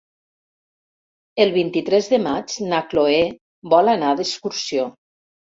El vint-i-tres de maig na Chloé vol anar d'excursió.